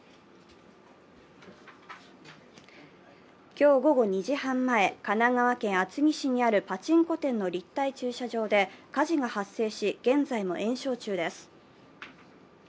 今日午後２時半前、神奈川県厚木市にあるパチンコ店の立体駐車場で火事が発生し、現在も延焼中です。